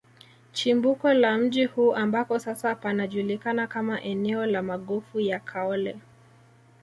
Chimbuko la mji huu ambako sasa panajulikana kama eneo la magofu ya Kaole